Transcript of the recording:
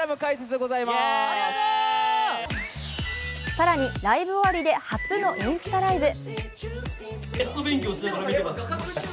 更に、ライブ終わりで初のインスタライブ。